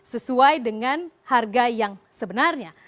sesuai dengan harga yang sebenarnya